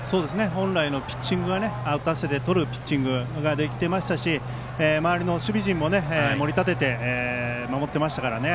本来のピッチング打たせてとるピッチングができていましたし周りの守備陣も守り立てて守ってましたからね。